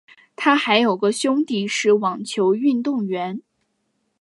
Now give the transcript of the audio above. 她还有个兄弟是网球运动员。